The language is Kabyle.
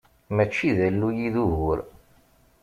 Mačči d alluy i d ugur.